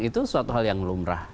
itu suatu hal yang lumrah